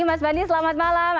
mas subandi selamat malam